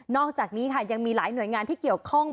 อกจากนี้ค่ะยังมีหลายหน่วยงานที่เกี่ยวข้อง